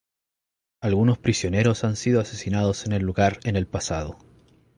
Algunos prisioneros han sido asesinados en el lugar en el pasado.